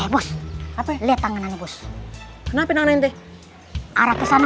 bos apa leh tangan bos kenapa nanti arah kesana